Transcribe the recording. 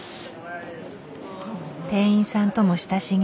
店員さんとも親しげ。